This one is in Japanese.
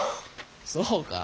そうか。